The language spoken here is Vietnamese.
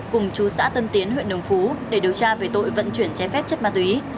cùng chú xã tân tiến huyện đồng phú để điều tra về tội vận chuyển trái phép chất ma túy